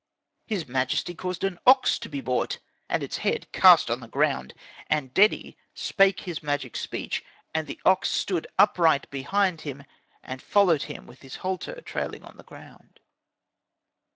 His majesty caused an ox to be brought, and its head cast on the ground. And Dedi spake his magic speech. And the ox stood upright behind him, and followed him with his halter trailing on the ground.